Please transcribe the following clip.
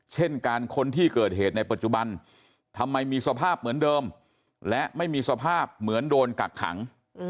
เช่นการค้นที่เกิดเหตุในปัจจุบันทำไมมีสภาพเหมือนเดิมและไม่มีสภาพเหมือนโดนกักขัง